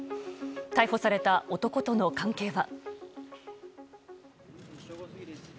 逮捕された男との関係は。